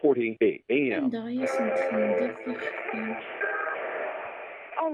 Anda ay asen-tendiḍ tifextin?